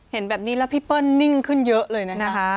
เห็นแบบนี้แล้วพี่เปิ้ลนิ่งขึ้นเยอะเลยนะคะ